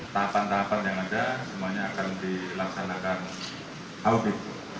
tahapan tahapan yang ada semuanya akan dilaksanakan audit